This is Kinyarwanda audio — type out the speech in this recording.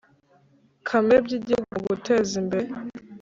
Kamere by igihugu mu guteza imbere